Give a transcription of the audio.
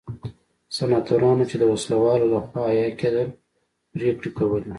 سناتورانو چې د وسله والو لخوا حیه کېدل پرېکړې کولې.